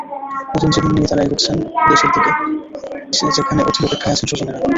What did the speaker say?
নতুন জীবন নিয়ে তাঁরা এগোচ্ছেন দেশের দিকে, যেখানে অধীর অপেক্ষায় আছেন স্বজনেরা।